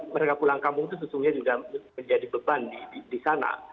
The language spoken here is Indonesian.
mereka pulang kampung itu sesungguhnya juga menjadi beban di sana